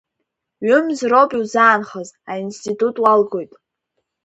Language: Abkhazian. Ҩымз роуп иузаанхаз, аинститут уалгоит.